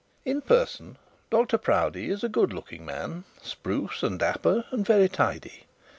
In person Dr Proudie is a good looking man; spruce and dapper, and very tidy.